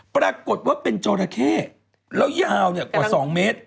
ปรากฏว่าเป็นจอราเข้แล้วยาวกว่า๒เมตร